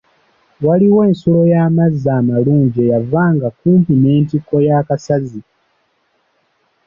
Waaliwo ensulo ey'amazzi amalungi eyavanga okumpi n'entikko y'akasazi.